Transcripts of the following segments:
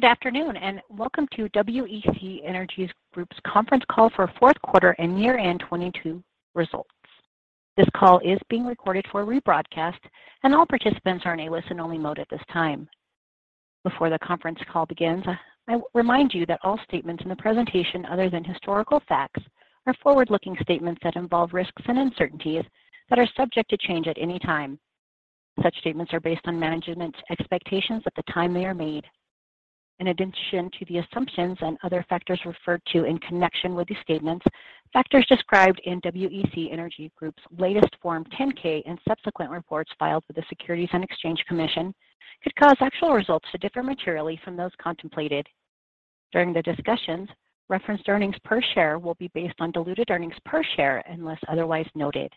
Good afternoon, welcome to WEC Energy Group's conference call for fourth quarter and year-end 2022 results. This call is being recorded for rebroadcast, all participants are in a listen-only mode at this time. Before the conference call begins, I will remind you that all statements in the presentation other than historical facts are forward-looking statements that involve risks and uncertainties that are subject to change at any time. Such statements are based on management's expectations at the time they are made. In addition to the assumptions and other factors referred to in connection with these statements, factors described in WEC Energy Group's latest Form 10-K and subsequent reports filed with the Securities and Exchange Commission could cause actual results to differ materially from those contemplated. During the discussions, referenced earnings per share will be based on diluted earnings per share, unless otherwise noted.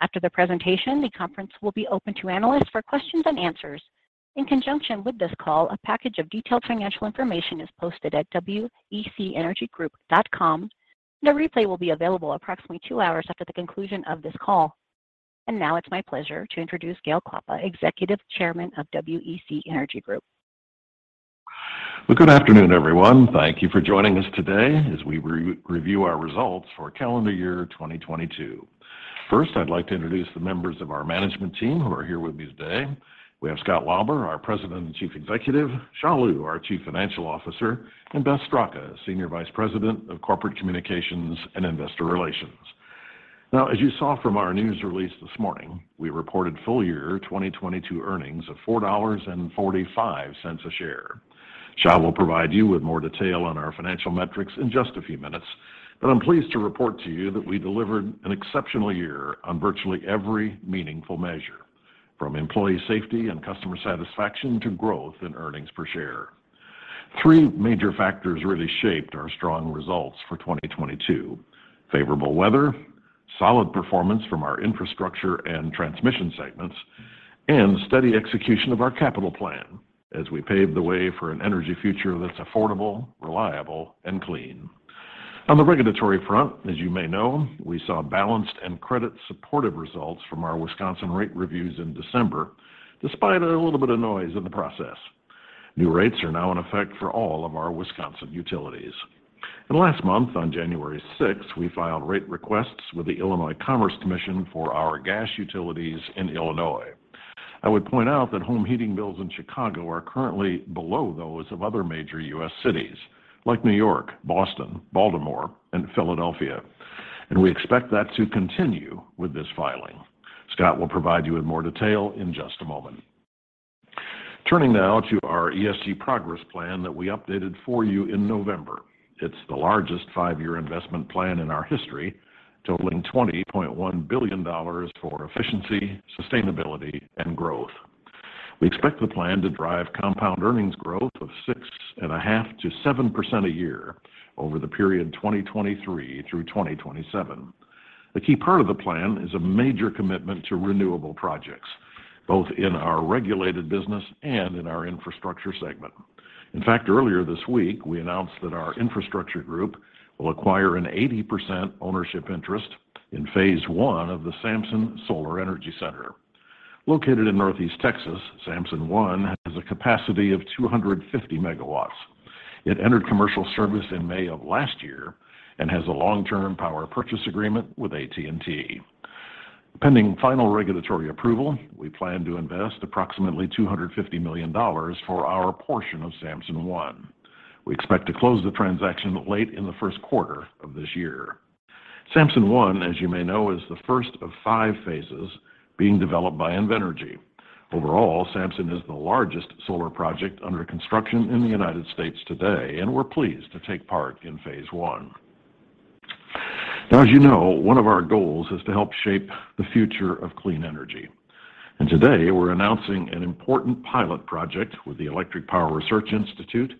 After the presentation, the conference will be open to analysts for questions and answers. In conjunction with this call, a package of detailed financial information is posted at wecenergygroup.com, and a replay will be available approximately two hours after the conclusion of this call. Now it's my pleasure to introduce Gale Klappa, Executive Chairman of WEC Energy Group. Well, good afternoon, everyone. Thank you for joining us today as we re-review our results for calendar year 2022. First, I'd like to introduce the members of our management team who are here with me today. We have Scott Lauber, our President and Chief Executive, Xia Liu, our Chief Financial Officer, and Beth Straka, Senior Vice President of Corporate Communications and Investor Relations. Now, as you saw from our news release this morning, we reported full year 2022 earnings of $4.45 a share. Xia will provide you with more detail on our financial metrics in just a few minutes, but I'm pleased to report to you that we delivered an exceptional year on virtually every meaningful measure, from employee safety and customer satisfaction to growth in earnings per share. Three major factors really shaped our strong results for 2022: favorable weather, solid performance from our infrastructure and transmission segments, and steady execution of our capital plan as we pave the way for an energy future that's affordable, reliable, and clean. On the regulatory front, as you may know, we saw balanced and credit-supportive results from our Wisconsin rate reviews in December, despite a little bit of noise in the process. New rates are now in effect for all of our Wisconsin utilities. Last month, on January 6th, we filed rate requests with the Illinois Commerce Commission for our gas utilities in Illinois. I would point out that home heating bills in Chicago are currently below those of other major U.S. cities like New York, Boston, Baltimore, and Philadelphia. We expect that to continue with this filing. Scott will provide you with more detail in just a moment. Turning now to our ESG progress plan that we updated for you in November. It's the largest five-year investment plan in our history, totaling $20.1 billion for efficiency, sustainability, and growth. We expect the plan to drive compound earnings growth of 6.5%-7% a year over the period 2023 through 2027. A key part of the plan is a major commitment to renewable projects, both in our regulated business and in our infrastructure segment. In fact, earlier this week, we announced that our infrastructure group will acquire an 80% ownership interest in phase one of the Samson Solar Energy Center. Located in Northeast Texas, Samson I has a capacity of 250 MW. It entered commercial service in May of last year and has a long-term power purchase agreement with AT&T. Pending final regulatory approval, we plan to invest approximately $250 million for our portion of Samson I. We expect to close the transaction late in the first quarter of this year. Samson I, as you may know, is the first of five phases being developed by Invenergy. Overall, Samson is the largest solar project under construction in the United States today, and we're pleased to take part in phase one. As you know, one of our goals is to help shape the future of clean energy. Today, we're announcing an important pilot project with the Electric Power Research Institute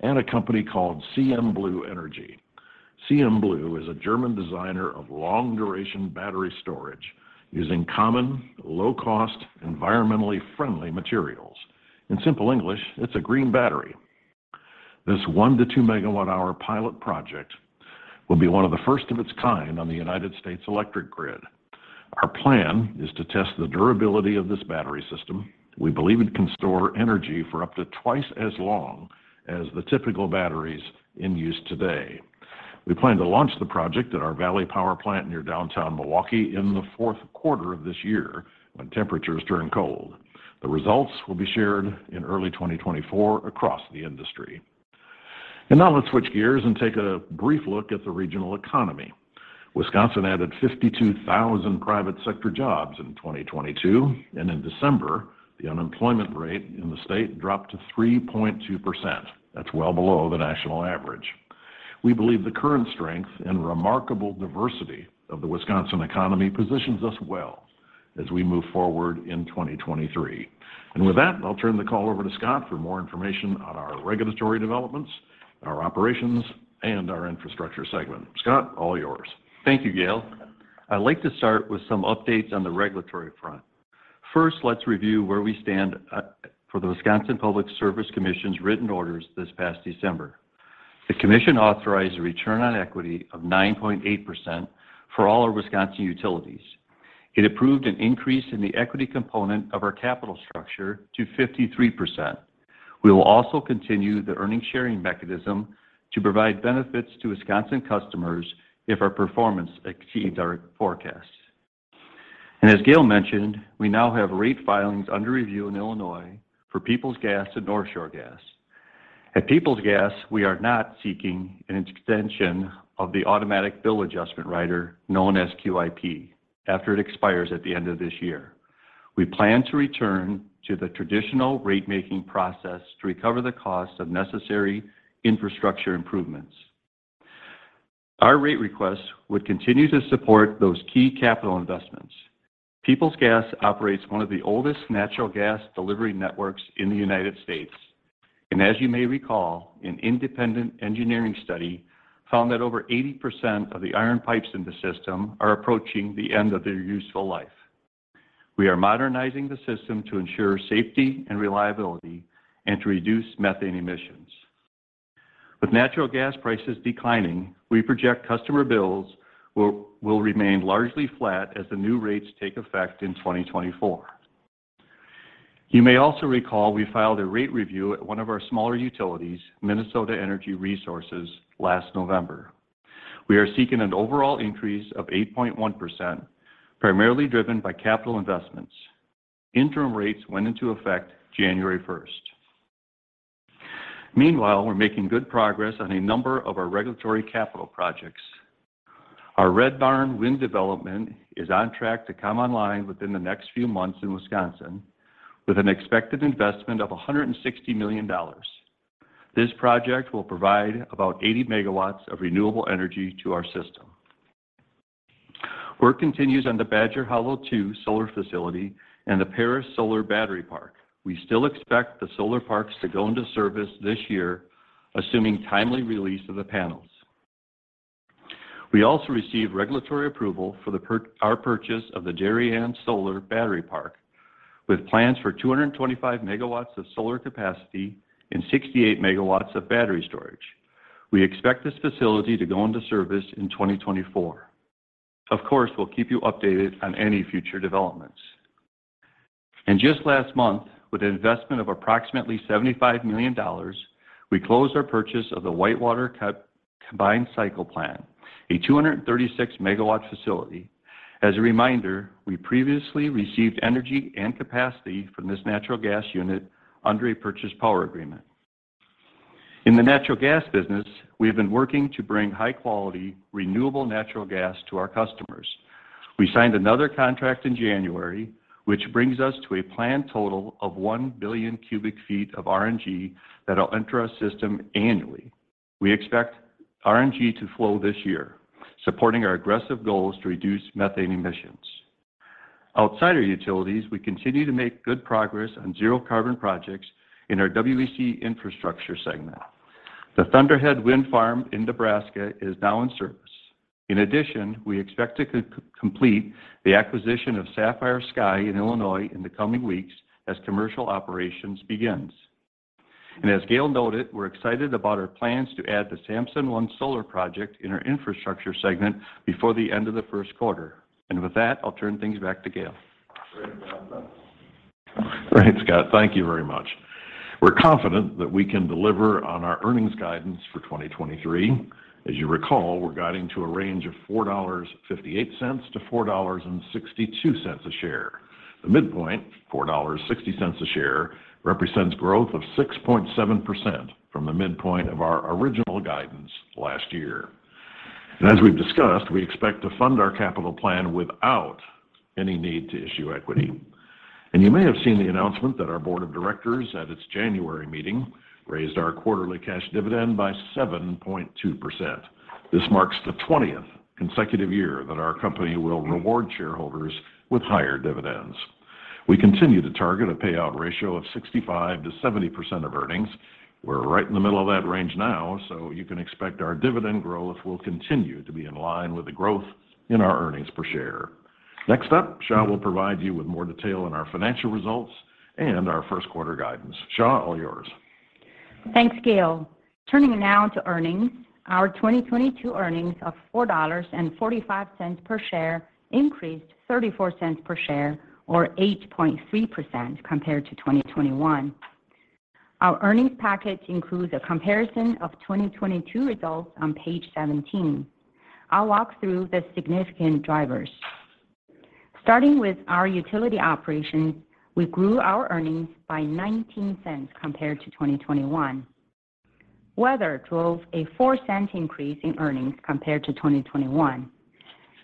and a company called CMBlu Energy. CMBlu is a German designer of long-duration battery storage using common, low-cost, environmentally friendly materials. In simple English, it's a green battery. This 1-2 MWh pilot project will be one of the first of its kind on the United States electric grid. Our plan is to test the durability of this battery system. We believe it can store energy for up to twice as long as the typical batteries in use today. We plan to launch the project at our Valley Power Plant near downtown Milwaukee in the fourth quarter of this year when temperatures turn cold. The results will be shared in early 2024 across the industry. Now let's switch gears and take a brief look at the regional economy. Wisconsin added 52,000 private sector jobs in 2022. In December, the unemployment rate in the state dropped to 3.2%. That's well below the national average. We believe the current strength and remarkable diversity of the Wisconsin economy positions us well as we move forward in 2023. With that, I'll turn the call over to Scott for more information on our regulatory developments, our operations, and our infrastructure segment. Scott, all yours. Thank you, Gale. I'd like to start with some updates on the regulatory front. First, let's review where we stand for the Public Service Commission of Wisconsin's written orders this past December. The commission authorized a return on equity of 9.8% for all our Wisconsin utilities. It approved an increase in the equity component of our capital structure to 53%. We will also continue the earning sharing mechanism to provide benefits to Wisconsin customers if our performance exceeds our forecasts. As Gale mentioned, we now have rate filings under review in Illinois for Peoples Gas and North Shore Gas. At Peoples Gas, we are not seeking an extension of the automatic bill adjustment rider known as QIP after it expires at the end of this year. We plan to return to the traditional rate-making process to recover the costs of necessary infrastructure improvements. Our rate requests would continue to support those key capital investments. Peoples Gas operates one of the oldest natural gas delivery networks in the United States. As you may recall, an independent engineering study found that over 80% of the iron pipes in the system are approaching the end of their useful life. We are modernizing the system to ensure safety and reliability and to reduce methane emissions. With natural gas prices declining, we project customer bills will remain largely flat as the new rates take effect in 2024. You may also recall we filed a rate review at one of our smaller utilities, Minnesota Energy Resources, last November. We are seeking an overall increase of 8.1%, primarily driven by capital investments. Interim rates went into effect January 1st. Meanwhile, we're making good progress on a number of our regulatory capital projects. Our Red Barn wind development is on track to come online within the next few months in Wisconsin with an expected investment of $160 million. This project will provide about 80 MW of renewable energy to our system. Work continues on the Badger Hollow II solar facility and the Paris Solar Battery Park. We still expect the solar parks to go into service this year, assuming timely release of the panels. We also received regulatory approval for our purchase of the Darien Solar Battery Park with plans for 225 MW of solar capacity and 68 MW of battery storage. We expect this facility to go into service in 2024. Of course, we'll keep you updated on any future developments. Just last month, with an investment of approximately $75 million, we closed our purchase of the Whitewater Cogeneration Facility, a 236 MW facility. As a reminder, we previously received energy and capacity from this natural gas unit under a purchase power agreement. In the natural gas business, we have been working to bring high-quality, renewable natural gas to our customers. We signed another contract in January, which brings us to a planned total of 1 billion cu ft of RNG that'll enter our system annually. We expect RNG to flow this year, supporting our aggressive goals to reduce methane emissions. Outside our utilities, we continue to make good progress on zero carbon projects in our WEC Infrastructure segment. The Thunderhead Wind Farm in Nebraska is now in service. In addition, we expect to co-complete the acquisition of Sapphire Sky in Illinois in the coming weeks as commercial operations begins. As Gale noted, we're excited about our plans to add the Samson I Solar project in our infrastructure segment before the end of the first quarter. With that, I'll turn things back to Gale. Great, Scott. Thank you very much. We're confident that we can deliver on our earnings guidance for 2023. As you recall, we're guiding to a range of $4.58-$4.62 a share. The midpoint, $4.60 a share, represents growth of 6.7% from the midpoint of our original guidance last year. As we've discussed, we expect to fund our capital plan without any need to issue equity. You may have seen the announcement that our board of directors at its January meeting raised our quarterly cash dividend by 7.2%. This marks the twentieth consecutive year that our company will reward shareholders with higher dividends. We continue to target a payout ratio of 65%-70% of earnings. We're right in the middle of that range now. You can expect our dividend growth will continue to be in line with the growth in our earnings per share. Next up, Xia will provide you with more detail on our financial results and our first quarter guidance. Xia, all yours. Thanks, Gale. Turning now to earnings. Our 2022 earnings of $4.45 per share increased $0.34 per share or 8.3% compared to 2021. Our earnings package includes a comparison of 2022 results on page 17. I'll walk through the significant drivers. Starting with our utility operations, we grew our earnings by $0.19 compared to 2021. Weather drove a $0.04 increase in earnings compared to 2021.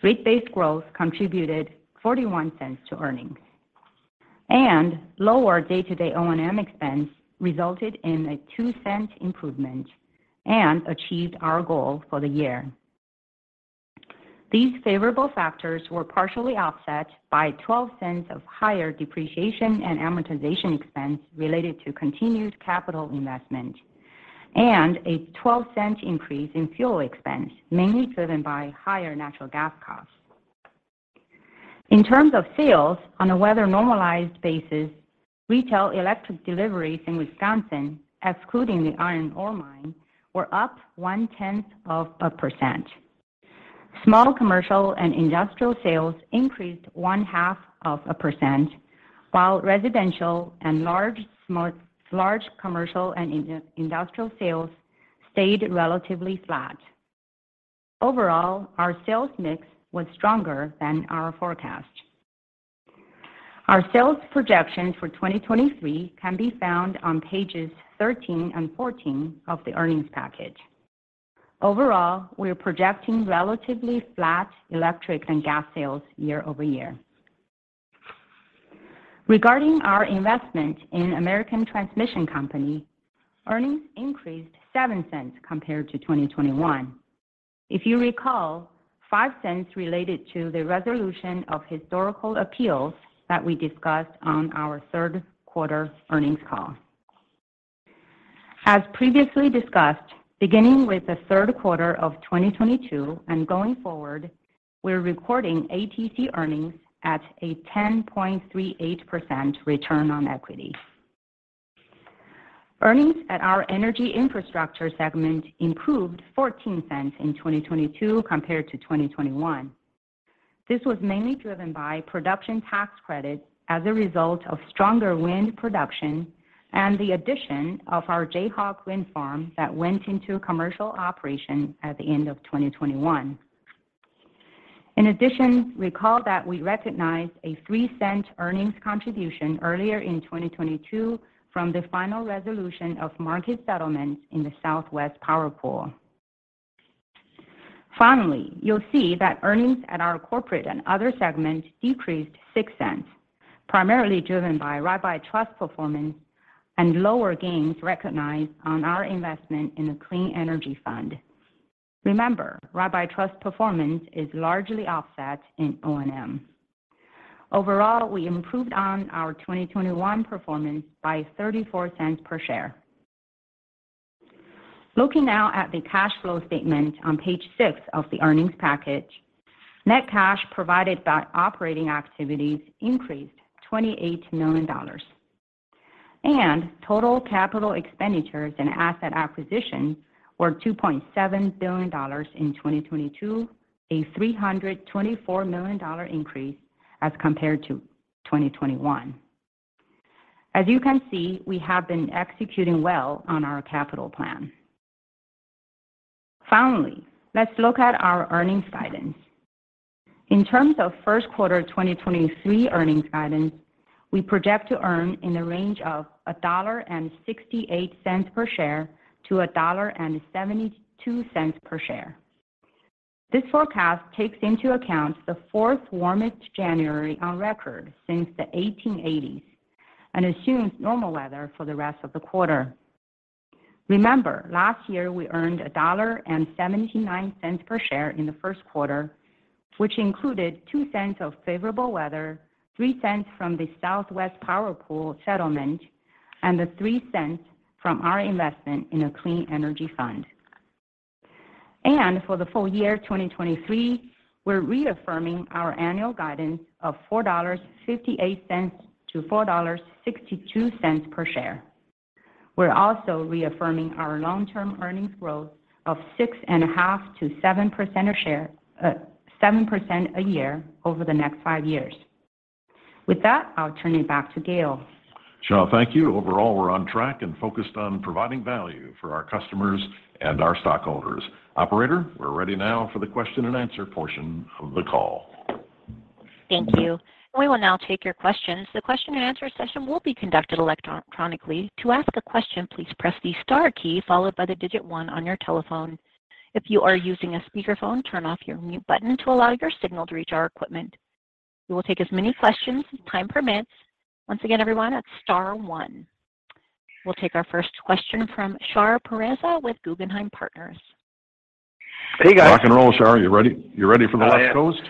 Rate-based growth contributed $0.41 to earnings, and lower day-to-day O&M expense resulted in a $0.02 improvement and achieved our goal for the year. These favorable factors were partially offset by $0.12 of higher depreciation and amortization expense related to continued capital investment and a $0.12 increase in fuel expense, mainly driven by higher natural gas costs. In terms of sales, on a weather-normalized basis, retail electric deliveries in Wisconsin, excluding the iron ore mine, were up 0.1%. Small commercial and industrial sales increased 0.5%, while residential and large commercial and industrial sales stayed relatively flat. Overall, our sales mix was stronger than our forecast. Our sales projections for 2023 can be found on pages 13 and 14 of the earnings package. Overall, we are projecting relatively flat electric and gas sales year-over-year. Regarding our investment in American Transmission Company, earnings increased $0.07 compared to 2021. If you recall, $0.05 related to the resolution of historical appeals that we discussed on our third quarter earnings call. As previously discussed, beginning with the third quarter of 2022 and going forward, we're recording ATC earnings at a 10.38% return on equity. Earnings at our energy infrastructure segment improved $0.14 in 2022 compared to 2021. This was mainly driven by production tax credits as a result of stronger wind production and the addition of our Jayhawk Wind Farm that went into commercial operation at the end of 2021. Recall that we recognized a $0.03 earnings contribution earlier in 2022 from the final resolution of market settlements in the Southwest Power Pool. Finally, you'll see that earnings at our corporate and other segment decreased $0.06, primarily driven by Rabbi Trust performance and lower gains recognized on our investment in the Clean Energy Fund. Remember, Rabbi Trust performance is largely offset in O&M. Overall, we improved on our 2021 performance by $0.34 per share. Looking now at the cash flow statement on page six of the earnings package, net cash provided by operating activities increased $28 million, and total capital expenditures and asset acquisition were $2.7 billion in 2022, a $324 million increase as compared to 2021. As you can see, we have been executing well on our capital plan. Finally, let's look at our earnings guidance. In terms of first quarter 2023 earnings guidance, we project to earn in the range of $1.68 per share-$1.72 per share. This forecast takes into account the fourth warmest January on record since the 1880s and assumes normal weather for the rest of the quarter. Remember, last year we earned $1.79 per share in the first quarter, which included $0.02 of favorable weather, $0.03 from the Southwest Power Pool settlement, and $0.03 from our investment in the Clean Energy Fund. For the full year 2023, we're reaffirming our annual guidance of $4.58-$4.62 per share. We're also reaffirming our long-term earnings growth of 6.5%-7% a share, 7% a year over the next five years. With that, I'll turn it back to Gale. Xia, thank you. Overall, we're on track and focused on providing value for our customers and our stockholders. Operator, we're ready now for the question-and-answer portion of the call. Thank you. We will now take your questions. The question-and-answer session will be conducted electronically. To ask a question, please press the star key followed by the digit one on your telephone. If you are using a speakerphone, turn off your mute button to allow your signal to reach our equipment. We will take as many questions as time permits. Once again, everyone, it's star one. We'll take our first question from Shar Pourreza with Guggenheim Partners. Hey, guys. Rock and roll, Shar. You ready? You ready for the West Coast?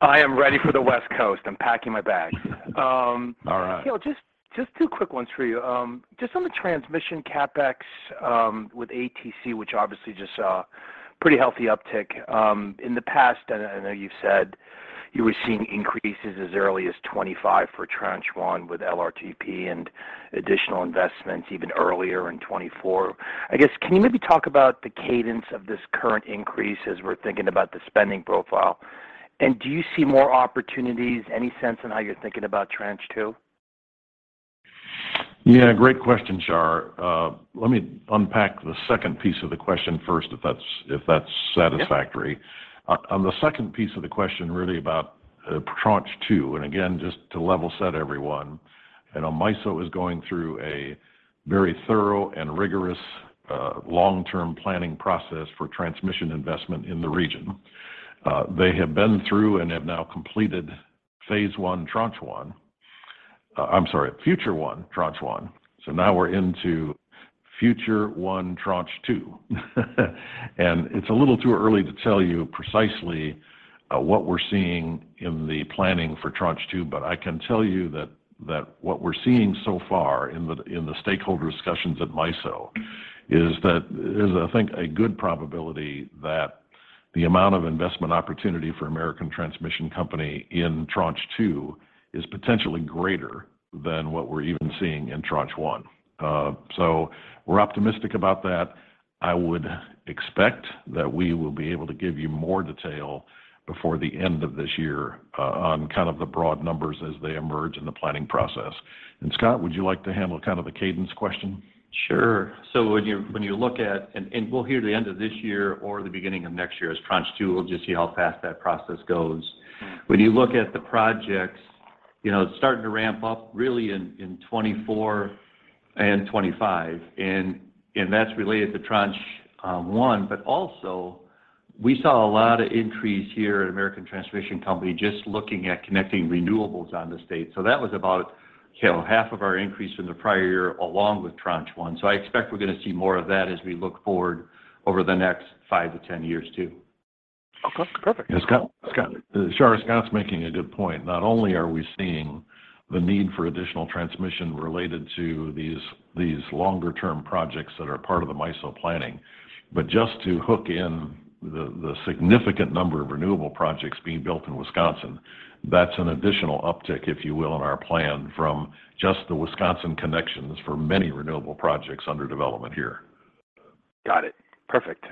I am ready for the West Coast. I'm packing my bag. All right. Gale, just two quick ones for you. Just on the transmission CapEx with ATC, which obviously just saw a pretty healthy uptick in the past, and I know you've said you were seeing increases as early as 2025 for Tranche One with LRTP and additional investments even earlier in 2024. I guess can you maybe talk about the cadence of this current increase as we're thinking about the spending profile? Do you see more opportunities, any sense in how you're thinking about Tranche Two? Yeah, great question, Shar. Let me unpack the second piece of the question first, if that's, if that's satisfactory. Yeah. On the second piece of the question, really about Tranche Two. Again, just to level set everyone, I know MISO is going through a very thorough and rigorous long-term planning process for transmission investment in the region. They have been through and have now completed Phase One, Tranche One. I'm sorry, Future One, Tranche One. Now we're into Future One, Tranche Two. It's a little too early to tell you precisely what we're seeing in the planning for Tranche Two, but I can tell you that what we're seeing so far in the stakeholder discussions at MISO is that there's, I think, a good probability that the amount of investment opportunity for American Transmission Company in Tranche Two is potentially greater than what we're even seeing in Tranche One. We're optimistic about that. I would expect that we will be able to give you more detail before the end of this year on kind of the broad numbers as they emerge in the planning process. Scott, would you like to handle kind of the cadence question? Sure. And we'll hear at the end of this year or the beginning of next year is tranche 2. We'll just see how fast that process goes. Mm. When you look at the projects, you know, it's starting to ramp up really in 2024 and 2025, and that's related to tranche 1. Also, we saw a lot of increase here at American Transmission Company just looking at connecting renewables on the state. That was about, you know, half of our increase from the prior year along with tranche 1. I expect we're gonna see more of that as we look forward over the next 5-10 years too. Okay. Perfect. Scott, Shar, Scott's making a good point. Not only are we seeing the need for additional transmission related to these longer term projects that are part of the MISO planning, but just to hook in the significant number of renewable projects being built in Wisconsin, that's an additional uptick, if you will, in our plan from just the Wisconsin connections for many renewable projects under development here. Got it. Perfect.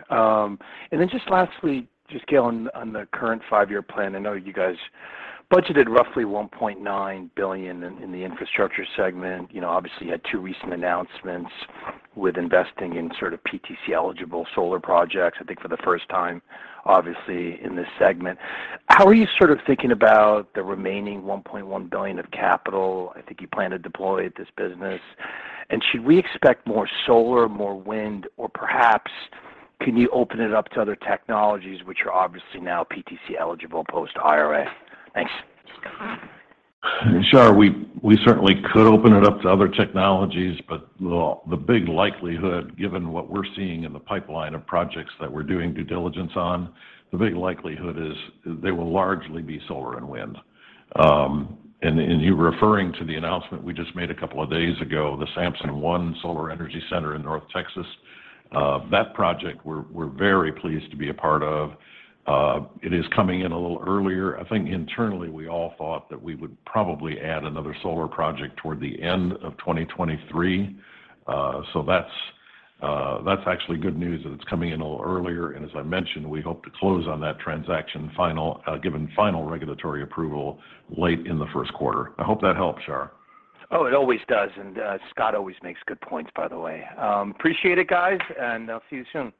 Just lastly, just Gale, on the current five-year plan, I know you guys budgeted roughly $1.9 billion in the infrastructure segment. You know, obviously you had two recent announcements with investing in sort of PTC-eligible solar projects, I think for the first time, obviously, in this segment. How are you sort of thinking about the remaining $1.1 billion of capital I think you plan to deploy at this business? Should we expect more solar, more wind, or perhaps can you open it up to other technologies which are obviously now PTC-eligible post-IRA? Thanks. Shar, we certainly could open it up to other technologies, but the big likelihood, given what we're seeing in the pipeline of projects that we're doing due diligence on, the big likelihood is they will largely be solar and wind. You're referring to the announcement we just made a couple of days ago, the Samson I Solar Energy Center in North Texas. That project we're very pleased to be a part of. It is coming in a little earlier. I think internally we all thought that we would probably add another solar project toward the end of 2023. That's actually good news that it's coming in a little earlier. As I mentioned, we hope to close on that transaction final given final regulatory approval late in the first quarter. I hope that helps, Shar. Oh, it always does. Scott always makes good points, by the way. Appreciate it, guys, and I'll see you soon.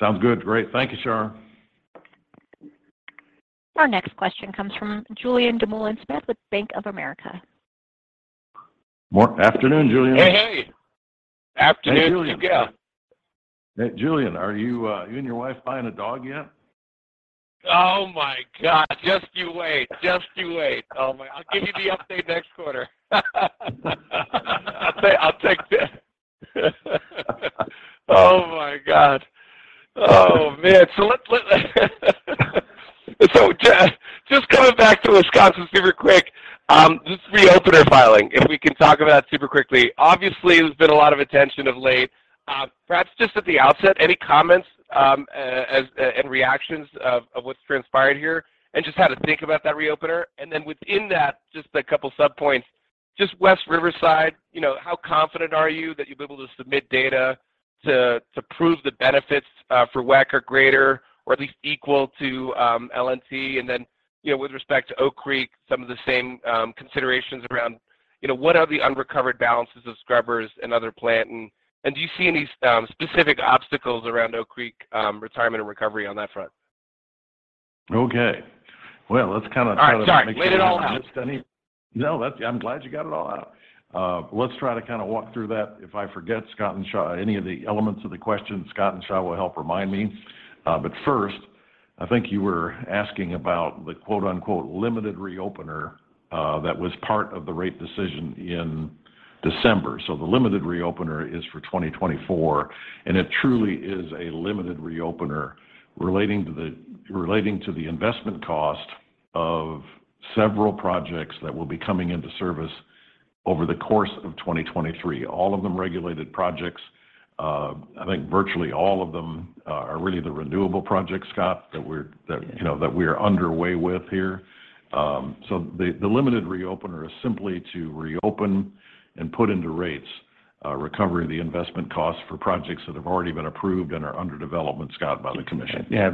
Sounds good. Great. Thank you, Shar. Our next question comes from Julien Dumoulin-Smith with Bank of America. Afternoon, Julien. Hey, hey. Afternoon to you, Gale. Hey, Julien. Hey, Julien, are you and your wife buying a dog yet? Oh my God. Just you wait. Just you wait. I'll give you the update next quarter. I'll take that. Oh my gosh. Oh, man. Just coming back to Wisconsin super quick, just the reopener filing, if we can talk about it super quickly. Obviously, there's been a lot of attention of late. Perhaps just at the outset, any comments and reactions of what's transpired here and just how to think about that reopener. Then within that, just a couple sub points. Just West Riverside, you know, how confident are you that you'll be able to submit data to prove the benefits for WEC are greater or at least equal to LNT? You know, with respect to Oak Creek, some of the same considerations around, you know, what are the unrecovered balances of scrubbers and other plant and, do you see any specific obstacles around Oak Creek retirement and recovery on that front? Okay. let's kind of start-. All right. Sorry. Laid it all out. ...with this then. No, I'm glad you got it all out. Let's try to kind of walk through that. If I forget, Scott and Shar, any of the elements of the question, Scott and Shar will help remind me. First, I think you were asking about the quote-unquote limited reopener that was part of the rate decision in December. The limited reopener is for 2024, and it truly is a limited reopener relating to the investment cost of several projects that will be coming into service over the course of 2023. All of them regulated projects. I think virtually all of them are really the renewable projects, Scott, that we're- Yeah ...that, you know, that we are underway with here. The, the limited reopener is simply to reopen and put into rates, recovery of the investment costs for projects that have already been approved and are under development, Scott, by the commission. Yeah.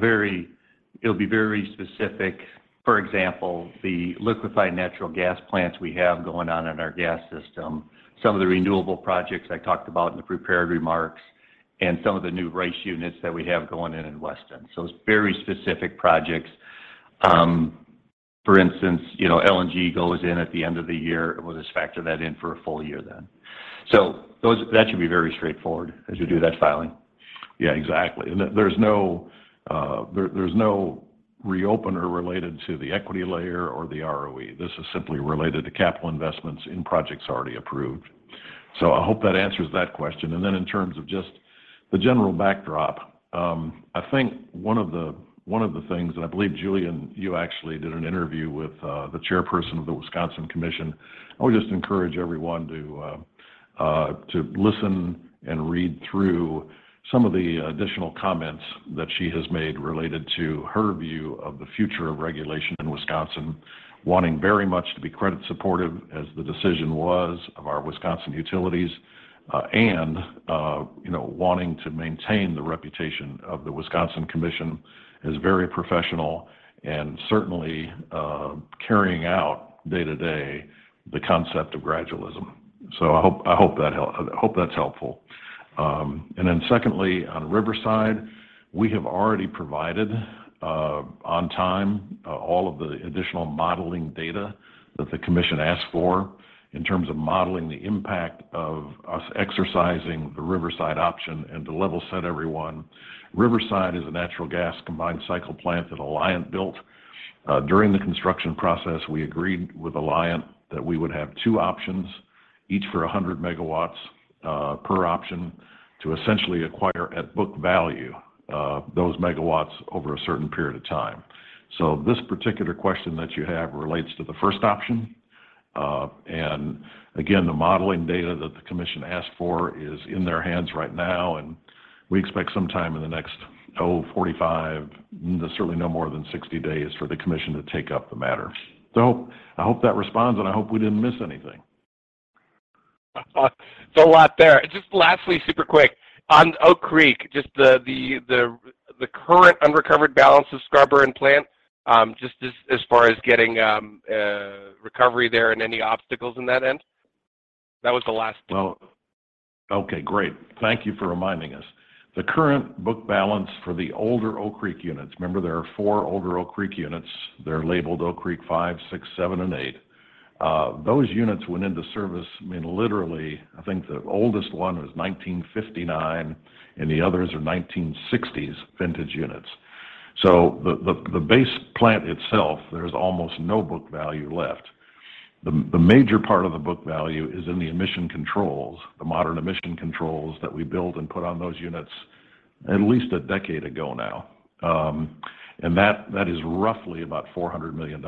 It'll be very specific. For example, the liquified natural gas plants we have going on in our gas system, some of the renewable projects I talked about in the prepared remarks, and some of the new RICE units that we have going in in Weston. It's very specific projects. For instance, you know, LNG goes in at the end of the year. We'll just factor that in for a full year then. That should be very straightforward as you do that filing. Yeah, exactly. There's no reopener related to the equity layer or the ROE. This is simply related to capital investments in projects already approved. I hope that answers that question. In terms of The general backdrop, I think one of the things, and I believe, Julien, you actually did an interview with the Chairperson of the Wisconsin Commission. I would just encourage everyone to listen and read through some of the additional comments that she has made related to her view of the future of regulation in Wisconsin, wanting very much to be credit supportive as the decision was of our Wisconsin utilities, and, you know, wanting to maintain the reputation of the Wisconsin Commission as very professional and certainly carrying out day-to-day the concept of gradualism. I hope that's helpful. Secondly, on Riverside, we have already provided on time all of the additional modeling data that the Commission asked for in terms of modeling the impact of us exercising the Riverside option. To level set everyone, Riverside is a natural gas combined cycle plant that Alliant built. During the construction process, we agreed with Alliant that we would have two options, each for 100 MW per option, to essentially acquire at book value those MW over a certain period of time. This particular question that you have relates to the first option. The modeling data that the commission asked for is in their hands right now, and we expect sometime in the next 45 to certainly no more than 60 days for the commission to take up the matter. I hope that responds, and I hope we didn't miss anything. It's a lot there. Just lastly, super quick. On Oak Creek, just the current unrecovered balance of scrubber and plant, just as far as getting recovery there and any obstacles in that end. Well, okay. Great. Thank you for reminding us. The current book balance for the older Oak Creek units, remember there are four older Oak Creek units. They're labeled Oak Creek five, six, seven, and eight. Those units went into service, I mean, literally, I think the oldest one was 1959, and the others are 1960s vintage units. The base plant itself, there's almost no book value left. The major part of the book value is in the emission controls, the modern emission controls that we built and put on those units at least a decade ago now. That is roughly about $400 million.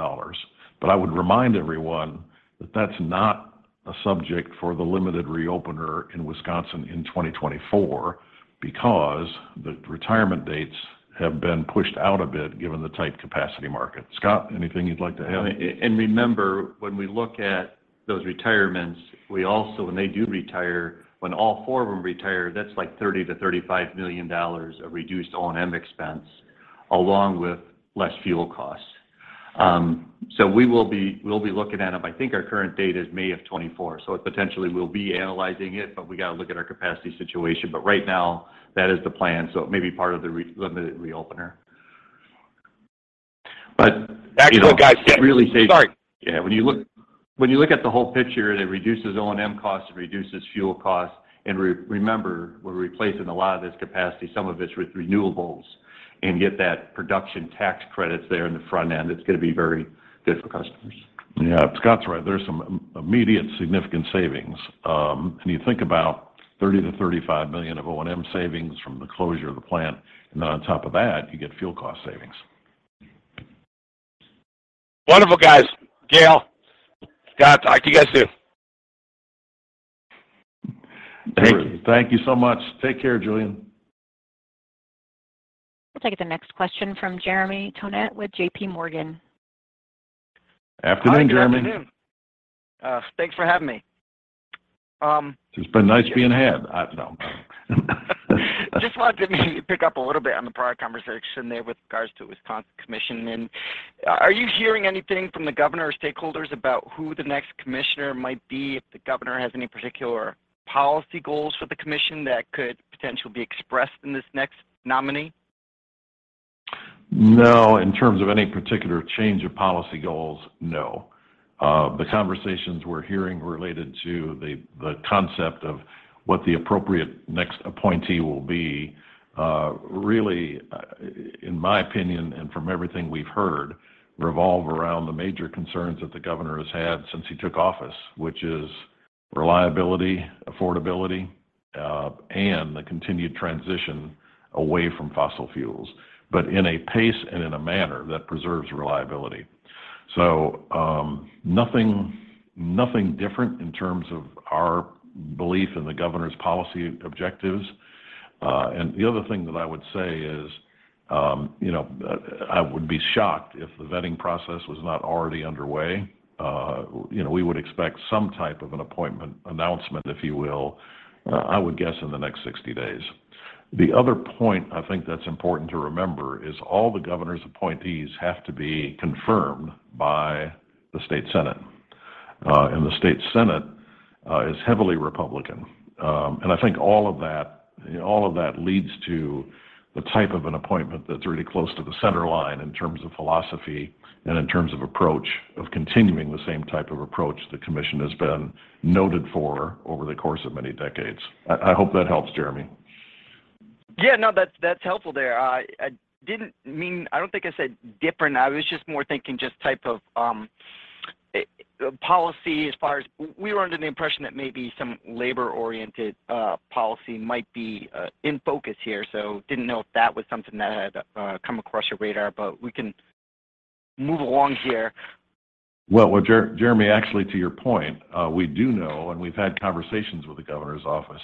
I would remind everyone that that's not a subject for the limited reopener in Wisconsin in 2024 because the retirement dates have been pushed out a bit given the tight capacity market. Scott, anything you'd like to add? Remember, when we look at those retirements, we also, when they do retire, when all four of them retire, that's like $30 million-$35 million of reduced O&M expense, along with less fuel costs. We'll be looking at them. I think our current date is May of 2024, so it potentially we'll be analyzing it, but we got to look at our capacity situation. Right now, that is the plan, so it may be part of the limited reopener. You know. Actually, guys, yeah. Sorry. Yeah. When you look at the whole picture and it reduces O&M costs, it reduces fuel costs, and remember, we're replacing a lot of this capacity, some of it's with renewables, and yet that production tax credit's there in the front end. It's going to be very good for customers. Yeah. Scott's right. There's some immediate significant savings. You think about $30 million-$35 million of O&M savings from the closure of the plant, on top of that, you get fuel cost savings. Wonderful, guys. Gale, Scott, talk to you guys soon. Great. Thank you so much. Take care, Julien. We'll take the next question from Jeremy Tonet with J.P. Morgan. Afternoon, Jeremy. Hi. Good afternoon. Thanks for having me. It's been nice being had. No. Just wanted to maybe pick up a little bit on the prior conversation there with regards to Wisconsin Commission. Are you hearing anything from the governor or stakeholders about who the next commissioner might be, if the governor has any particular policy goals for the Commission that could potentially be expressed in this next nominee? No. In terms of any particular change of policy goals, no. The conversations we're hearing related to the concept of what the appropriate next appointee will be, really, in my opinion and from everything we've heard, revolve around the major concerns that the governor has had since he took office, which is reliability, affordability, and the continued transition away from fossil fuels, but in a pace and in a manner that preserves reliability. Nothing different in terms of our belief in the governor's policy objectives. The other thing that I would say is, you know, I would be shocked if the vetting process was not already underway. You know, we would expect some type of an appointment announcement, if you will, I would guess in the next 60 days. The other point I think that's important to remember is all the governor's appointees have to be confirmed by the State Senate. The State Senate is heavily Republican. I think all of that, all of that leads to the type of an appointment that's really close to the center line in terms of philosophy and in terms of approach, of continuing the same type of approach the commission has been noted for over the course of many decades. I hope that helps, Jeremy. Yeah, no, that's helpful there. I don't think I said different. I was just more thinking just type of. The policy as far as we were under the impression that maybe some labor-oriented policy might be in focus here. Didn't know if that was something that had come across your radar. We can move along here. Well, Jeremy, actually to your point, we do know, and we've had conversations with the governor's office,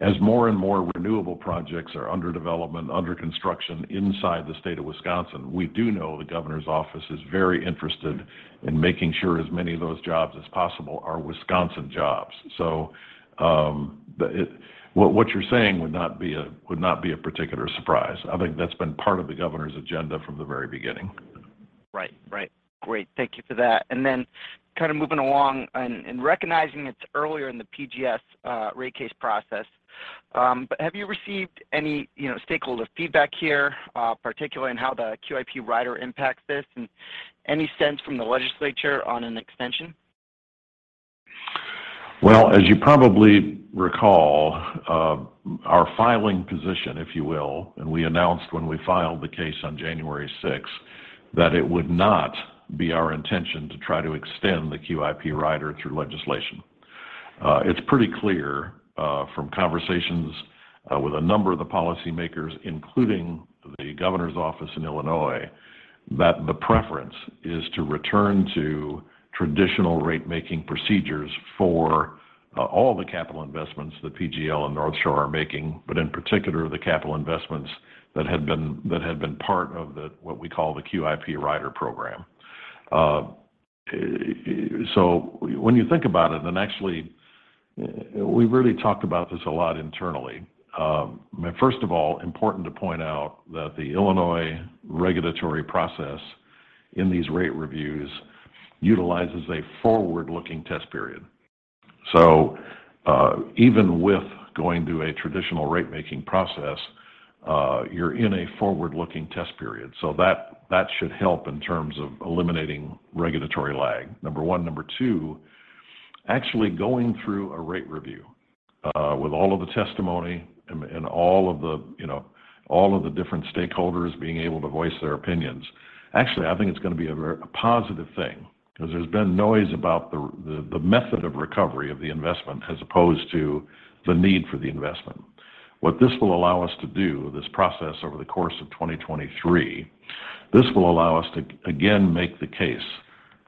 as more and more renewable projects are under development, under construction inside the state of Wisconsin, we do know the governor's office is very interested in making sure as many of those jobs as possible are Wisconsin jobs. What you're saying would not be a particular surprise. I think that's been part of the governor's agenda from the very beginning. Right. Right. Great. Thank you for that. Kind of moving along and recognizing it's earlier in the PGS rate case process, have you received any, you know, stakeholder feedback here, particularly on how the QIP rider impacts this? Any sense from the legislature on an extension? As you probably recall, our filing position, if you will, we announced when we filed the case on January 6th, that it would not be our intention to try to extend the QIP rider through legislation. It's pretty clear from conversations with a number of the policymakers, including the governor's office in Illinois, that the preference is to return to traditional rate-making procedures for all the capital investments that PGL and North Shore are making, in particular, the capital investments that had been part of the what we call the QIP Rider program. When you think about it, actually we've really talked about this a lot internally. First of all, important to point out that the Illinois regulatory process in these rate reviews utilizes a forward-looking test period. Even with going through a traditional rate-making process, you're in a forward-looking test period. That should help in terms of eliminating regulatory lag, number one. Number two, actually going through a rate review with all of the testimony and all of the, you know, all of the different stakeholders being able to voice their opinions. Actually, I think it's going to be a very positive thing because there's been noise about the method of recovery of the investment as opposed to the need for the investment. What this will allow us to do, this process over the course of 2023, this will allow us to again make the case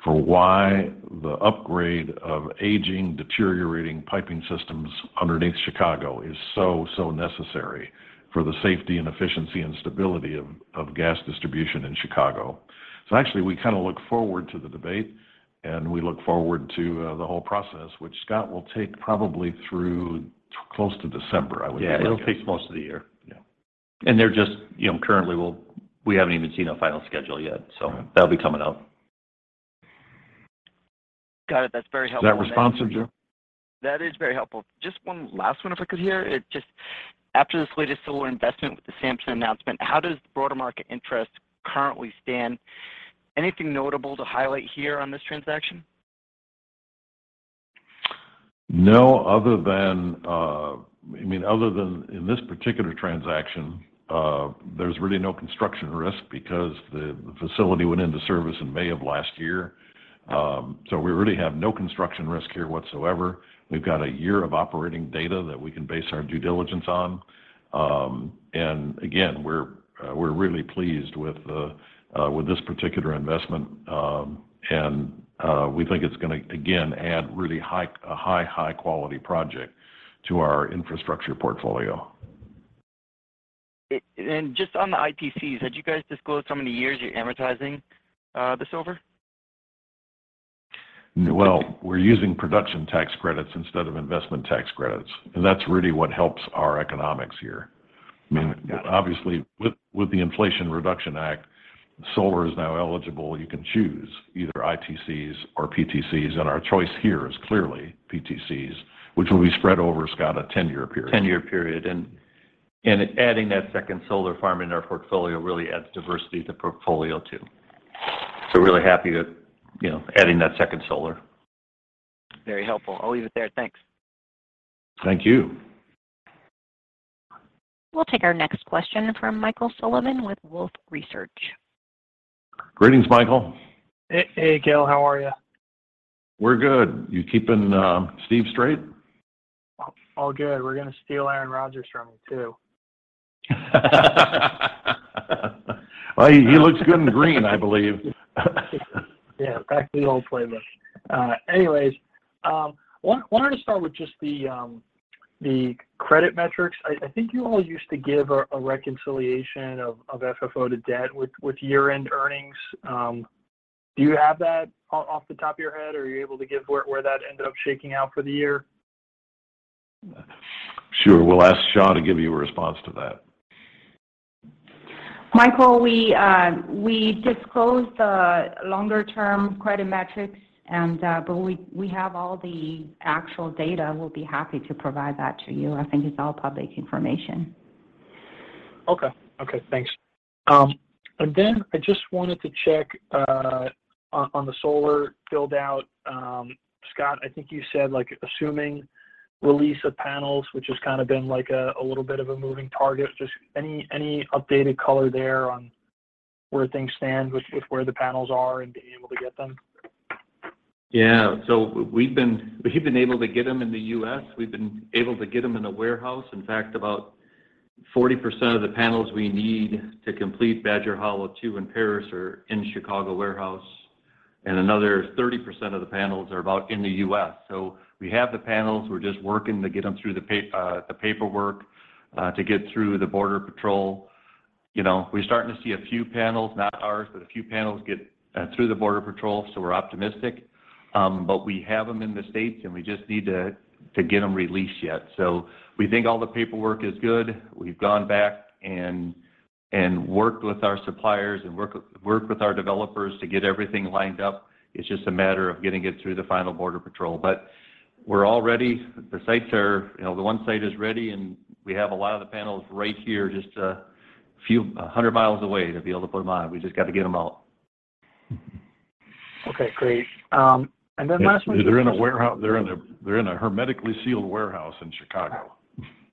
for why the upgrade of aging, deteriorating piping systems underneath Chicago is so necessary for the safety and efficiency and stability of gas distribution in Chicago. actually we kind of look forward to the debate, and we look forward to the whole process, which Scott will take probably through close to December, I would imagine. Yeah. It'll take most of the year. Yeah. They're just You know, currently we haven't even seen a final schedule yet. Right. That'll be coming out. Got it. That's very helpful. Is that responsive, Jeremy? That is very helpful. Just one last one if I could here. After this latest solar investment with the Samson announcement, how does the broader market interest currently stand? Anything notable to highlight here on this transaction? No other than, I mean, other than in this particular transaction, there's really no construction risk because the facility went into service in May of last year. We really have no construction risk here whatsoever. We've got a year of operating data that we can base our due diligence on. Again, we're really pleased with this particular investment. We think it's gonna again add really a high, high-quality project to our infrastructure portfolio. Just on the ITCs, had you guys disclosed how many years you're amortizing this over? Well, we're using production tax credits instead of investment tax credits, and that's really what helps our economics here. Mm-hmm. Yeah. Obviously, with the Inflation Reduction Act, solar is now eligible. You can choose either ITCs or PTCs, and our choice here is clearly PTCs, which will be spread over, Scott, a 10-year period. 10-year period. Adding that second solar farm in our portfolio really adds diversity to portfolio too. We're really happy to, you know, adding that second solar. Very helpful. I'll leave it there. Thanks. Thank you. We'll take our next question from Michael Sullivan with Wolfe Research. Greetings, Michael. Hey, Gale. How are you? We're good. You keeping, Steve straight? All good. We're gonna steal Aaron Rodgers from you too. Well, he looks good in green, I believe. Back to the old playbook. Anyways, wanted to start with just the credit metrics. I think you all used to give a reconciliation of FFO to debt with year-end earnings. Do you have that off the top of your head, or are you able to give where that ended up shaking out for the year? Sure. We'll ask Xia to give you a response to that. Michael, we disclosed the longer-term credit metrics and, but we have all the actual data. We'll be happy to provide that to you. I think it's all public information. Okay. Okay, thanks. I just wanted to check on the solar build-out. Scott, I think you said like assuming release of panels, which has kind of been like a little bit of a moving target. Just any updated color there on where things stand with where the panels are and being able to get them? Yeah. We've been, we've been able to get them in the U.S. We've been able to get them in the warehouse. In fact, about 40% of the panels we need to complete Badger Hollow II and Paris are in Chicago warehouse, and another 30% of the panels are about in the U.S. We have the panels. We're just working to get them through the paperwork to get through the border patrol. You know, we're starting to see a few panels, not ours, but a few panels get through the border patrol, so we're optimistic. But we have them in the States, and we just need to get them released yet. We think all the paperwork is good. We've gone back and worked with our suppliers and worked with our developers to get everything lined up. It's just a matter of getting it through the final border patrol. We're all ready. The sites are... You know, the one site is ready, and we have a lot of the panels right here, just a few hundred miles away to be able to put them on. We just got to get them out. Okay, great. last one They're in a warehouse. They're in a hermetically sealed warehouse in Chicago.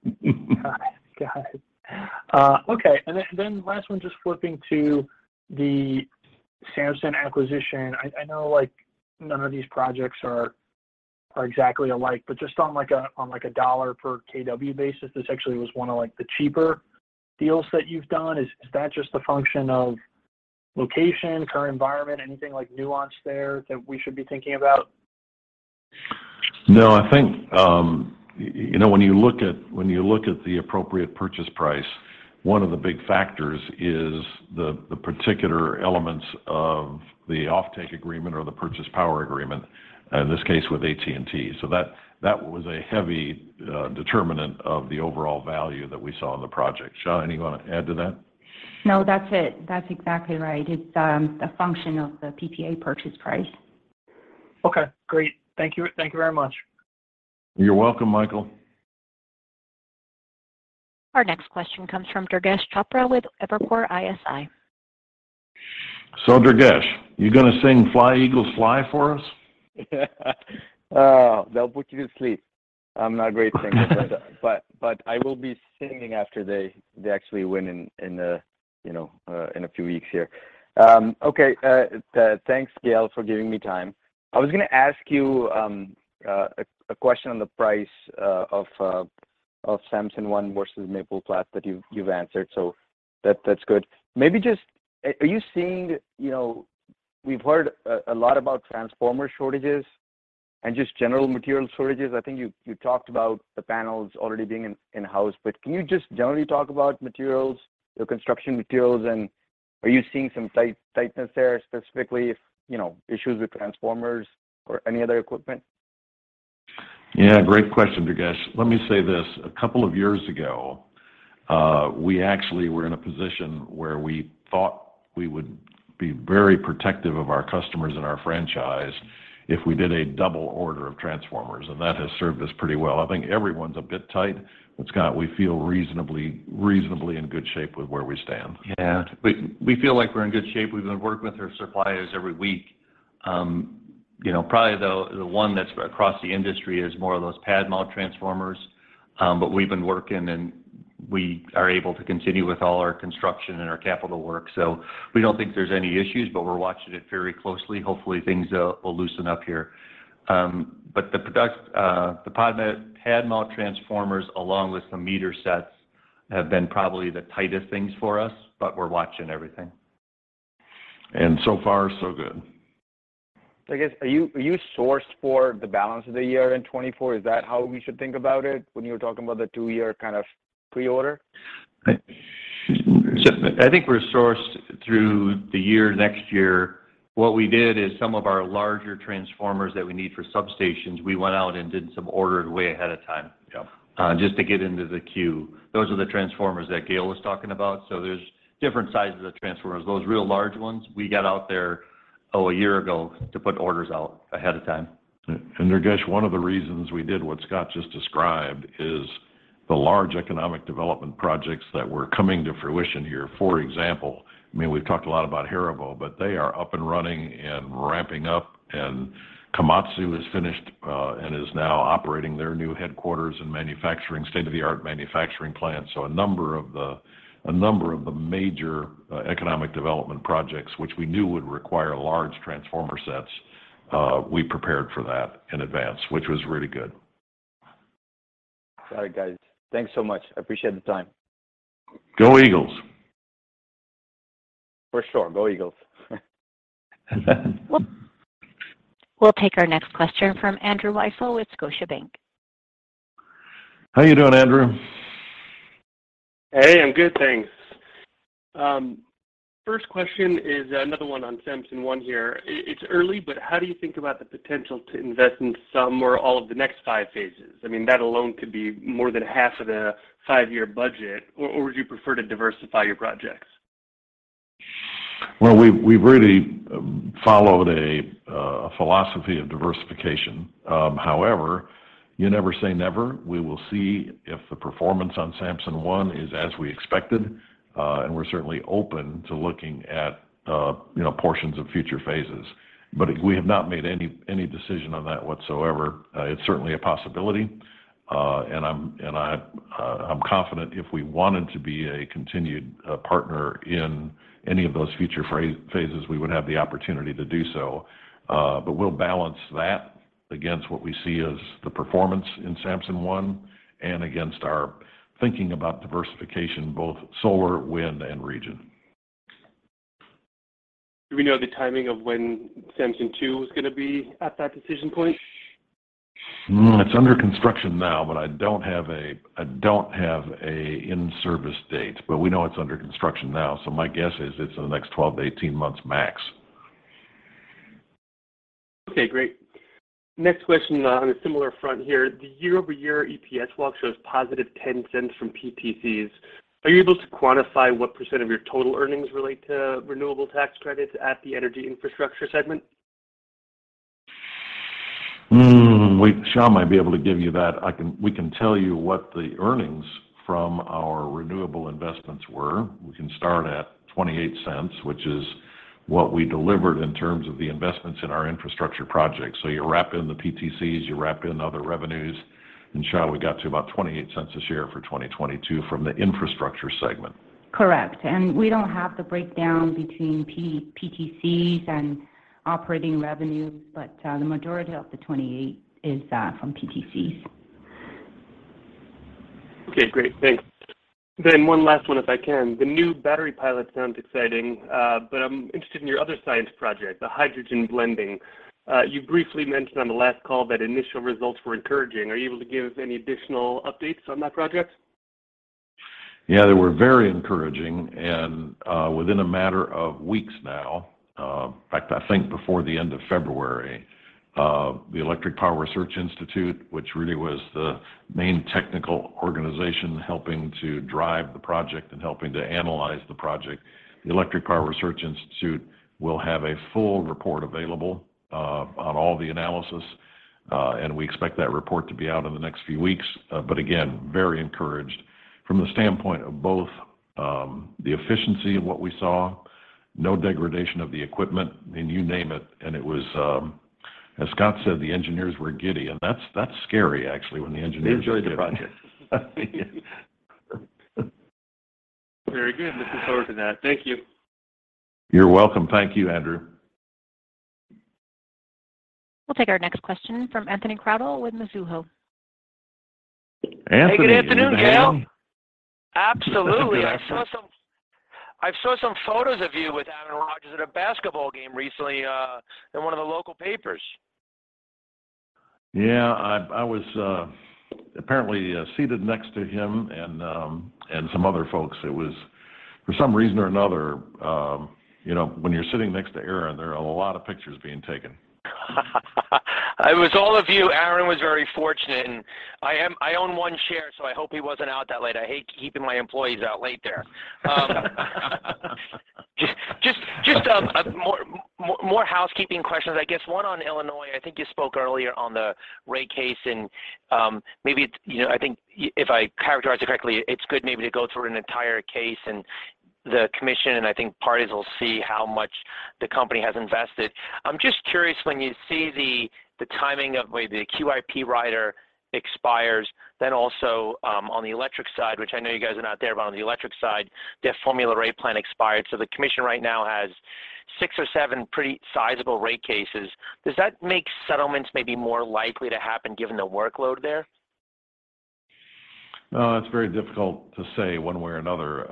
Got it. Got it. Okay. Last one, just flipping to the Samson acquisition. I know, like, none of these projects are exactly alike, but just on like a $ per kW basis, this actually was one of, like, the cheaper deals that you've done. Is that just a function of location, current environment, anything like nuance there that we should be thinking about? No, I think, you know, when you look at the appropriate purchase price, one of the big factors is the particular elements of the offtake agreement or the purchase power agreement, in this case with AT&T. That was a heavy determinant of the overall value that we saw in the project. Xia, anything you want to add to that? No, that's it. That's exactly right. It's a function of the PPA purchase price. Okay, great. Thank you. Thank you very much. You're welcome, Michael. Our next question comes from Durgesh Chopra with Evercore ISI. Durgesh, you gonna sing Fly, Eagles, Fly for us? Oh, that'll put you to sleep. I'm not a great singer. I will be singing after they actually win in the, you know, in a few weeks here. Okay, thanks Gale for giving me time. I was gonna ask you a question on the price of Samson I versus Maple Flats, you've answered, so that's good. Maybe are you seeing, you know? We've heard a lot about transformer shortages and just general material shortages. I think you talked about the panels already being in-house. Can you just generally talk about materials, your construction materials, and are you seeing some tightness there specifically if, you know, issues with transformers or any other equipment? Yeah, great question, Durgesh. Let me say this. A couple of years ago, we actually were in a position where we thought we would be very protective of our customers and our franchise if we did a double order of transformers, and that has served us pretty well. I think everyone's a bit tight. Scott, we feel reasonably in good shape with where we stand. Yeah. We feel like we're in good shape. We've been working with our suppliers every week. You know, probably the one that's across the industry is more of those pad-mount transformers. We've been working, and we are able to continue with all our construction and our capital work. We don't think there's any issues, but we're watching it very closely. Hopefully, things will loosen up here. Pad-mount transformers along with some meter sets have been probably the tightest things for us, but we're watching everything. So far, so good. I guess, are you sourced for the balance of the year in 2024? Is that how we should think about it when you're talking about the two-year kind of pre-order? I... Just- I think we're sourced through the year next year. What we did is some of our larger transformers that we need for substations, we went out and did some ordering way ahead of time. Yeah... just to get into the queue. Those are the transformers that Gale was talking about. There's different sizes of transformers. Those real large ones, we got out there, a year ago to put orders out ahead of time. Durgesh, one of the reasons we did what Scott just described is the large economic development projects that were coming to fruition here. For example, I mean, we've talked a lot about Haribo, but they are up and running and ramping up, and Komatsu is finished, and is now operating their new headquarters and manufacturing, state-of-the-art manufacturing plant. A number of the major economic development projects, which we knew would require large transformer sets, we prepared for that in advance, which was really good. All right, guys. Thanks so much. I appreciate the time. Go Eagles. For sure. Go Eagles. We'll take our next question from Andrew Weisel with Scotiabank. How you doing, Andrew? Hey, I'm good, thanks. First question is another one on Samson I here. It's early, but how do you think about the potential to invest in some or all of the next five phases? I mean, that alone could be more than half of the five-year budget. Would you prefer to diversify your projects? Well, we've really followed a philosophy of diversification. However, you never say never. We will see if the performance on Samson I is as we expected, and we're certainly open to looking at, you know, portions of future phases. We have not made any decision on that whatsoever. It's certainly a possibility, and I'm confident if we wanted to be a continued partner in any of those future phases, we would have the opportunity to do so. We'll balance that against what we see as the performance in Samson I and against our thinking about diversification, both solar, wind, and region. Do we know the timing of when Samson Two is going to be at that decision point? It's under construction now. I don't have a in-service date. We know it's under construction now. My guess is it's in the next 12-18 months max. Okay, great. Next question on a similar front here. The year-over-year EPS walk shows positive $0.10 from PTCs. Are you able to quantify what % of your total earnings relate to renewable tax credits at the energy infrastructure segment? Wait, Xia might be able to give you that. We can tell you what the earnings from our renewable investments were. We can start at $0.28, which is what we delivered in terms of the investments in our infrastructure projects. You wrap in the PTCs, you wrap in other revenues. Xia, we got to about $0.28 a share for 2022 from the infrastructure segment. Correct. We don't have the breakdown between PTCs and operating revenues, but the majority of the 28 is from PTCs. Okay, great. Thanks. One last one, if I can. The new battery pilot sounds exciting, I'm interested in your other science project, the hydrogen blending. You briefly mentioned on the last call that initial results were encouraging. Are you able to give any additional updates on that project? Yeah, they were very encouraging. Within a matter of weeks now, in fact, I think before the end of February, the Electric Power Research Institute, which really was the main technical organization helping to drive the project and helping to analyze the project. The Electric Power Research Institute will have a full report available, on all the analysis, and we expect that report to be out in the next few weeks. Again, very encouraged from the standpoint of both, the efficiency of what we saw, no degradation of the equipment, I mean, you name it, and it was. As Scott said, the engineers were giddy. That's scary, actually, when the engineers are giddy. They enjoyed the project. Very good. Looking forward to that. Thank you. You're welcome. Thank you, Andrew. We'll take our next question from Anthony Crowdell with Mizuho. Anthony. Hey, good afternoon, Gale. Absolutely. I saw some photos of you with Aaron Rodgers at a basketball game recently, in one of the local papers. Yeah, I was apparently seated next to him and some other folks. For some reason or another, you know, when you're sitting next to Aaron, there are a lot of pictures being taken. It was all of you. Aaron was very fortunate. I own one share, so I hope he wasn't out that late. I hate keeping my employees out late there. Just more housekeeping questions, I guess. One on Illinois. I think you spoke earlier on the rate case, and maybe it's, you know, I think if I characterize it correctly, it's good maybe to go through an entire case and the commission. I think parties will see how much the company has invested. I'm just curious when you see the timing of way the QIP rider expires, also on the electric side, which I know you guys are not there, but on the electric side, their formula rate plan expired. The commission right now has six or seven pretty sizable rate cases. Does that make settlements maybe more likely to happen given the workload there? It's very difficult to say one way or another,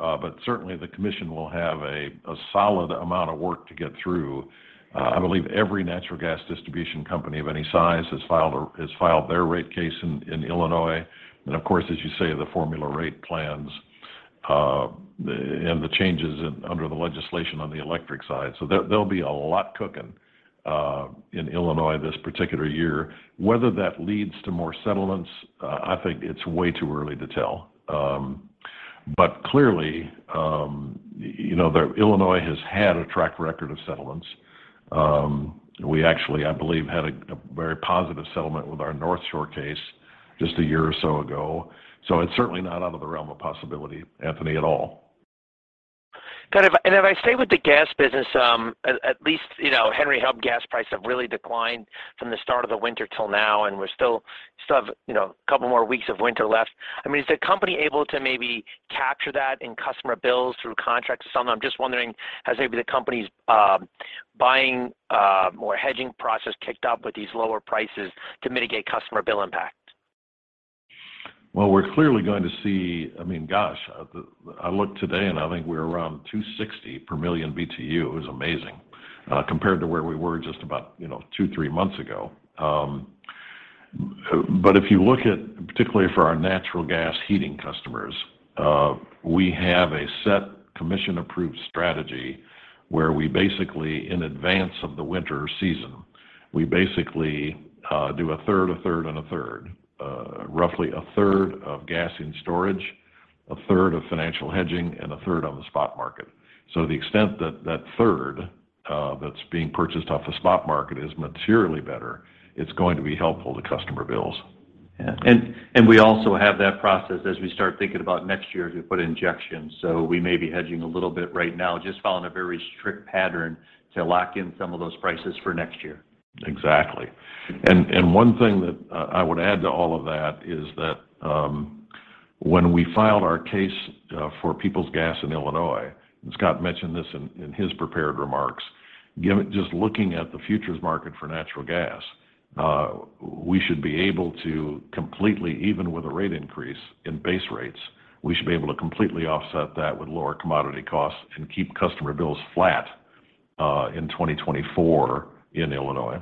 certainly the commission will have a solid amount of work to get through. I believe every natural gas distribution company of any size has filed their rate case in Illinois. Of course, as you say, the formula rate plans and the changes under the legislation on the electric side. There, there'll be a lot cooking in Illinois this particular year. Whether that leads to more settlements, I think it's way too early to tell. Clearly, you know, Illinois has had a track record of settlements. We actually, I believe, had a very positive settlement with our North Shore case just a year or so ago. It's certainly not out of the realm of possibility, Anthony, at all. Got it. If I stay with the gas business, at least, you know, Henry Hub gas prices have really declined from the start of the winter till now, and we still have, you know, a couple more weeks of winter left. I mean, is the company able to maybe capture that in customer bills through contracts or something? I'm just wondering, has maybe the company's buying, more hedging process kicked up with these lower prices to mitigate customer bill impact? Well, we're clearly going to I mean, gosh, I look today, and I think we're around $2.60 per million BTU. It was amazing, compared to where we were just about, you know, two, three months ago. But if you look at, particularly for our natural gas heating customers, we have a set commission-approved strategy where we basically, in advance of the winter season, we basically, do a third, a third, and a third. Roughly a third of gas in storage, a third of financial hedging, and a third on the spot market. To the extent that that third, that's being purchased off the spot market is materially better, it's going to be helpful to customer bills. Yeah. We also have that process as we start thinking about next year as we put injections. We may be hedging a little bit right now, just following a very strict pattern to lock in some of those prices for next year. Exactly. one thing that I would add to all of that is that, when we filed our case, for Peoples Gas in Illinois, and Scott mentioned this in his prepared remarks, just looking at the futures market for natural gas, we should be able to completely even with a rate increase in base rates, we should be able to completely offset that with lower commodity costs and keep customer bills flat, in 2024 in Illinois.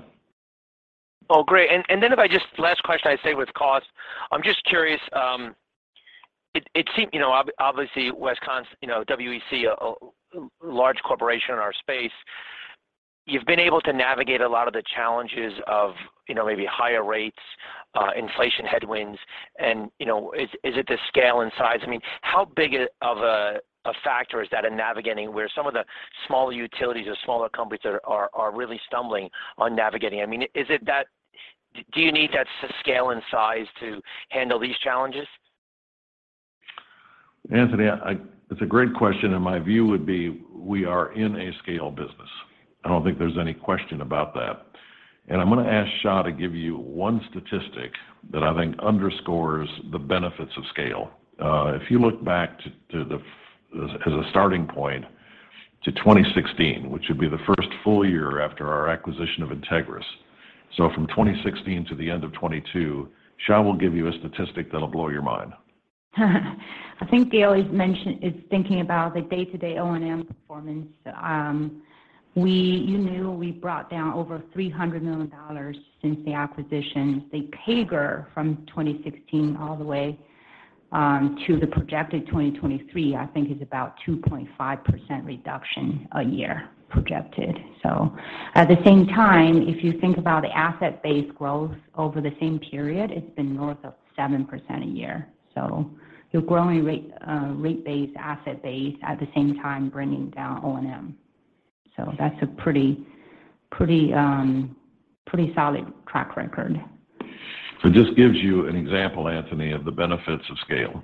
Oh, great. Then if I just last question I'd say with cost. I'm just curious, it seems. You know, obviously, Wisconsin, you know, WEC, a large corporation in our space. You've been able to navigate a lot of the challenges of, you know, maybe higher rates, inflation headwinds. You know, is it the scale and size? I mean, how big of a factor is that in navigating where some of the smaller utilities or smaller companies are really stumbling on navigating? I mean, is it that? Do you need that scale and size to handle these challenges? Anthony, that's a great question. My view would be we are in a scale business. I don't think there's any question about that. I'm gonna ask Xia to give you one statistic that I think underscores the benefits of scale. If you look back as a starting point to 2016, which would be the first full year after our acquisition of Integrys. From 2016 to the end of 2022, Xia will give you a statistic that'll blow your mind. I think Gale's mention is thinking about the day-to-day O&M performance. you know, we brought down over $300 million since the acquisition. The CAGR from 2016 all the way to the projected 2023, I think is about 2.5% reduction a year projected. At the same time, if you think about asset-based growth over the same period, it's been north of 7% a year. You're growing rate base, asset base, at the same time bringing down O&M. That's a pretty solid track record. It just gives you an example, Anthony, of the benefits of scale.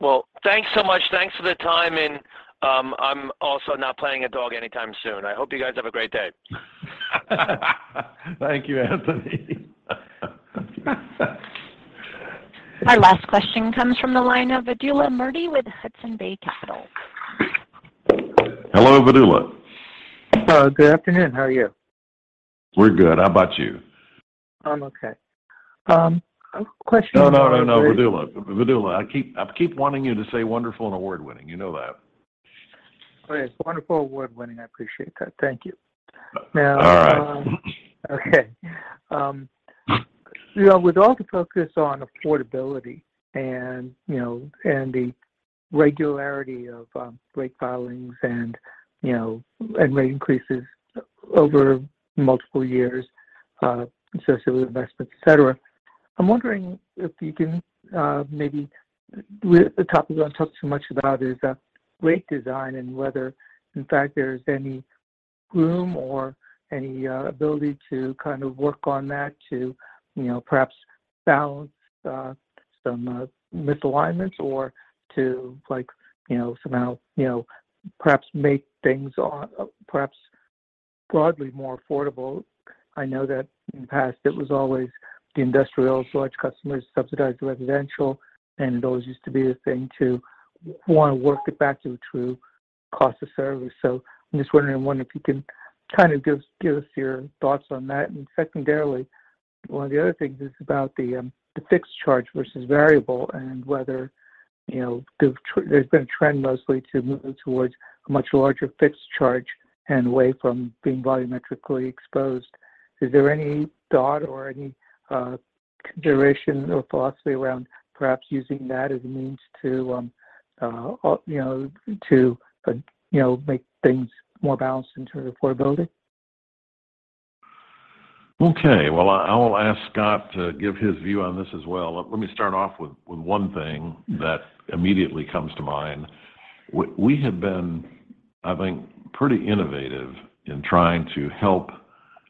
Well, thanks so much. Thanks for the time. I'm also not planning a dog anytime soon. I hope you guys have a great day. Thank you, Anthony. Our last question comes from the line of Vedula Murti with Hudson Bay Capital. Hello, Vedula. Hello. Good afternoon. How are you? We're good. How about you? I'm okay. No, no, no, Vedula. Vedula, I keep wanting you to say wonderful and award-winning, you know that. Okay. Wonderful, award-winning. I appreciate that. Thank you. All right. on conversational filler that can be removed if it doesn't add significant meaning to the sentence. In this case, it acts as a soft start to I'm wondering if you can, maybe... the topic you don't talk too much about is rate design and whether in fact there's any room or any ability to kind of work on that to, you know, perhaps balance some misalignments or to like, you know, somehow, you know, perhaps make things perhaps broadly more affordable." - This is a long sentence. The "..." suggests Secondarily, one of the other things is about the fixed charge versus variable and whether, you know, there's been a trend mostly to moving towards a much larger fixed charge and away from being volumetrically exposed. Is there any thought or any consideration or philosophy around perhaps using that as a means to, you know, to, you know, make things more balanced in terms of affordability? Okay. Well, I will ask Scott to give his view on this as well. Let me start off with one thing that immediately comes to mind. We have been, I think, pretty innovative in trying to help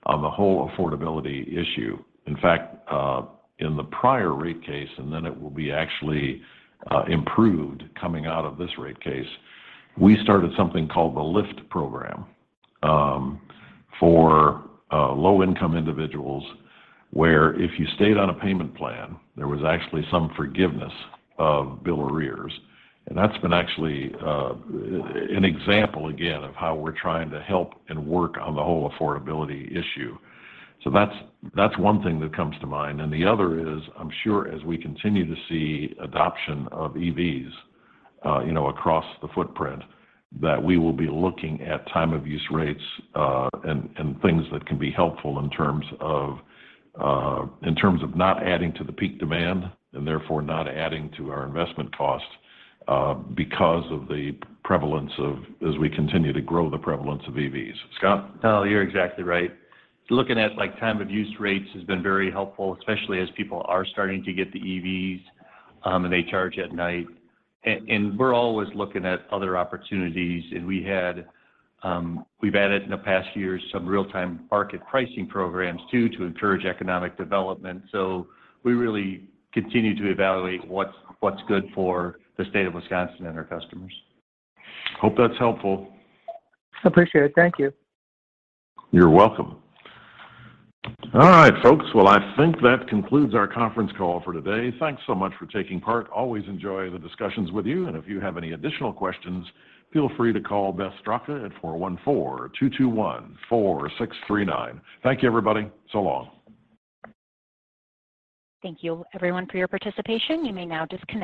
on the whole affordability issue. In fact, in the prior rate case, then it will be actually improved coming out of this rate case. We started something called the LIFT program for low income individuals, where if you stayed on a payment plan, there was actually some forgiveness of bill arrears. That's been actually an example again of how we're trying to help and work on the whole affordability issue. That's one thing that comes to mind. The other is, I'm sure as we continue to see adoption of EVs, you know, across the footprint, that we will be looking at time of use rates, and things that can be helpful in terms of, in terms of not adding to the peak demand and therefore not adding to our investment costs, because as we continue to grow the prevalence of EVs. Scott? No, you're exactly right. Looking at like time of use rates has been very helpful, especially as people are starting to get the EVs, and they charge at night. We're always looking at other opportunities. We've added in the past year some real-time market pricing programs too to encourage economic development. We really continue to evaluate what's good for the state of Wisconsin and our customers. Hope that's helpful. Appreciate it. Thank you. You're welcome. All right, folks. Well, I think that concludes our conference call for today. Thanks so much for taking part. Always enjoy the discussions with you. If you have any additional questions, feel free to call Beth Straka at 414-221-4639. Thank you, everybody. So long. Thank you everyone for your participation. You may now disconnect.